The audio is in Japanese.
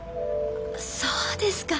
そうですか。